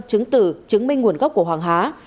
chứng tử chứng minh nguồn gốc của hoàng há